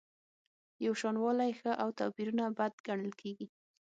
یوشانوالی ښه او توپیرونه بد ګڼل کیږي.